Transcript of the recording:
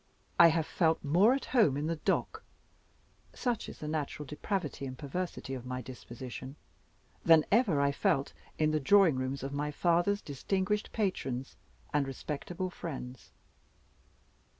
I have felt more at home in the dock (such is the natural depravity and perversity of my disposition) than ever I felt in the drawing rooms of my father's distinguished patrons and respectable friends.